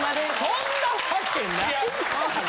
そんなわけないやろ。